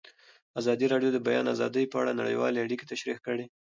ازادي راډیو د د بیان آزادي په اړه نړیوالې اړیکې تشریح کړي.